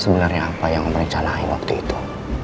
sebenarnya apa yang merencanahi waktu itu